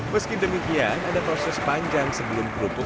meski demikian ada proses panjang sebelum kerupuk